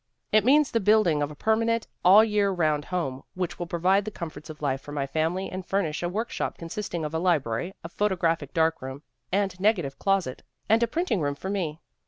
It means the build ing of a permanent, all year round home, which will provide the comforts of life for my family and fur nish a workshop consisting of a library, a photo graphic darkroom and negative closet, and a printing room for me.